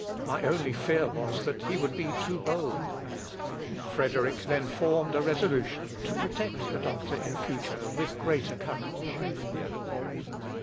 My only fear was, that he would be too bold." Frederick then formed a resolution to protect the doctor in future with greater courage.